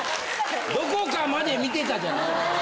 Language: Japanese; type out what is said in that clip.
どこかまで見てたじゃない。